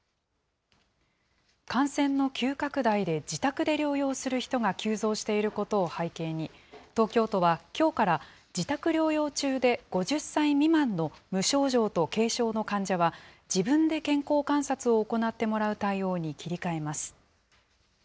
感染の急拡大で自宅で療養する人が急増していることを背景に、東京都はきょうから、自宅療養中で５０歳未満の無症状と軽症の患者は、自分で健康観察を行ってもらう対応に切り替えます。